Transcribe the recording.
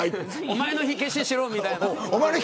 お前の火消ししろみたいな。